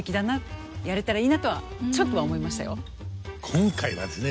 今回はですね